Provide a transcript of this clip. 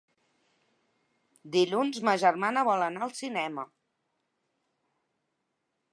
Dilluns ma germana vol anar al cinema.